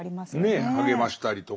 ねえ励ましたりとか。